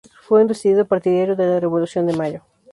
Fue un decidido partidario de la Revolución de Mayo.